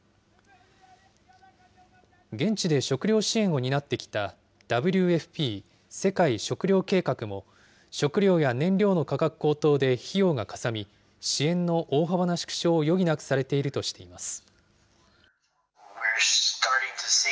現地で食料支援を担ってきたＷＦＰ・世界食糧計画も、食料や燃料の価格高騰で費用がかさみ、支援の大幅な縮小を余儀なくされているとしています。